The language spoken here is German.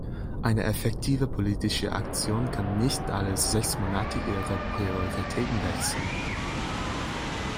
Eine effektive politische Aktion kann nicht alle sechs Monate ihre Prioritäten wechseln.